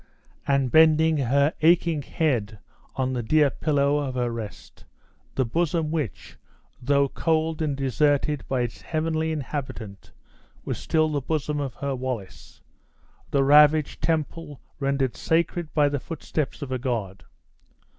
and bending her aching head on the dear pillow of her rest the bosom which, though cold and deserted by its heavenly inhabitant, was still the bosom of her Wallace! the ravaged temple rendered sacred by the footsteps of a god!